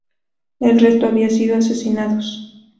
El resto habían sido asesinados.